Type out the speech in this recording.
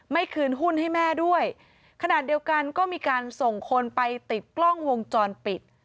คืนหุ้นให้แม่ด้วยขณะเดียวกันก็มีการส่งคนไปติดกล้องวงจรปิด